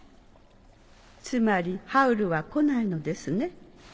つまりハウルは来ないのですね。